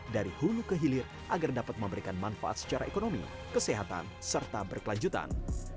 dari hulu ke hilir agar dapat memberikan manfaat secara ekonomi kesehatan serta berkelanjutan